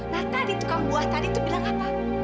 nah tadi tukang buah tadi itu bilang apa